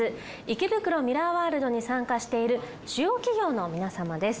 池袋ミラーワールドに参加している主要企業の皆様です。